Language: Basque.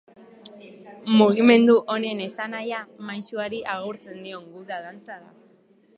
Mugimendu honen esanahia, maisuari agurtzen dion guda dantza da.